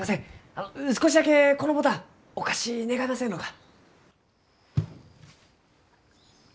あの少しだけこの牡丹お貸し願えませんろうか？